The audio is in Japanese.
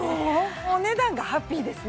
お値段がハッピーですね。